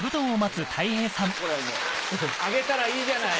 あげたらいいじゃない！